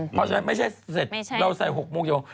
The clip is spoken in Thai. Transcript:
เพราะฉะนั้นไม่ใช่เสร็จเราใส่๖โมงเย็น